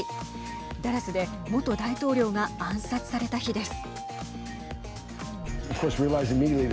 ダラスで元大統領が暗殺された日です。